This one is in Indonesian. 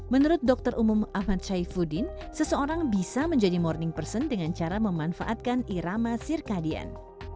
menurut dokter umum ahmad syaifuddin seseorang bisa menjadi morning person dengan cara memanfaatkan irama sirkadian